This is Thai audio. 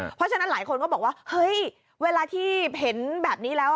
เพราะฉะนั้นหลายคนก็บอกว่าเฮ้ยเวลาที่เห็นแบบนี้แล้ว